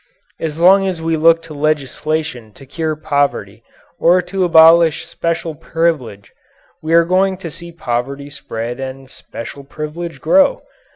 As long as we look to legislation to cure poverty or to abolish special privilege we are going to see poverty spread and special privilege grow.